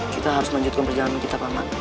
kita harus melanjutkan perjalanan kita paman